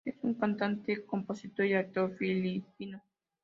Es un cantante, compositor y actor filipino.